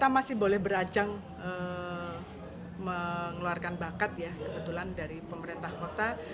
kita masih boleh berajang mengeluarkan bakat ya kebetulan dari pemerintah kota